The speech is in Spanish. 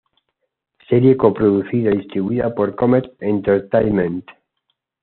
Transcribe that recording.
Serie coproducida y distribuida por Comet Entertainment.